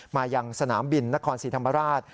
มายังสนามบินนครศรีธรรมราช